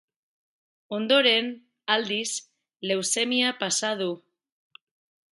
Ondoren, aldiz, leuzemia pasa du.